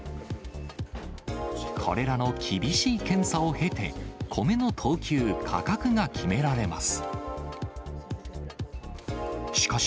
これらの厳しい検査を経て、米の等級、価格が決められます。